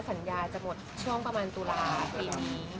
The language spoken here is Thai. สัญญาจะหมดช่วงประมาณตุลาปีนี้